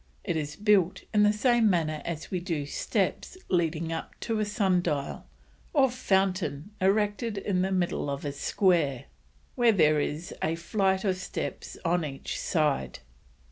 It is built in the same manner as we do steps leading up to a sun dial or fountain erected in the middle of a square, where there is a flite of steps on each side.